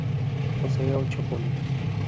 Posee ocho polinia.